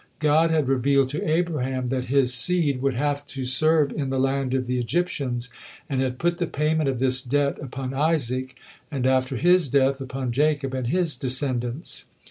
God had revealed to Abraham that his seed would have to serve in the land of the Egyptians, and had put the payment of this debt upon Isaac, and after his death, upon Jacob and his descendants.